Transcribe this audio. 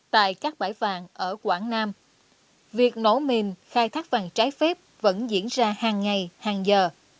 tại các bãi vàng ở quảng nam việc nổ mìn khai thác vàng trái phép vẫn diễn ra hàng ngày hàng giờ